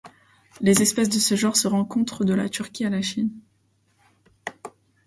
Les espèces de ce genre se rencontrent de la Turquie à la Chine.